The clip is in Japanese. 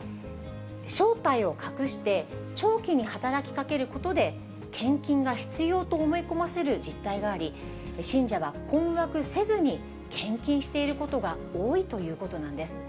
正体を隠して長期に働きかけることで、献金が必要と思い込ませる実態があり、信者は困惑せずに献金していることが多いということなんです。